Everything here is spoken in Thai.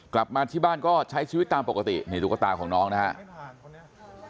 กลับมาที่บ้านก็ใช้ชีวิตตามปกตินี่ตุ๊กตาของน้องนะครับ